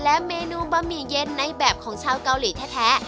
และเมนูบะหมี่เย็นในแบบของชาวเกาหลีแท้